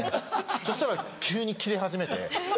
そしたら急にキレ始めて。